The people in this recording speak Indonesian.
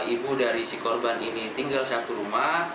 ibu dari si korban ini tinggal satu rumah